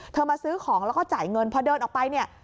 มาซื้อของแล้วก็จ่ายเงินพอเดินออกไปเนี่ย